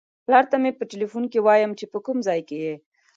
پلار ته مې په ټیلیفون کې وایم چې په کوم ځای کې یې.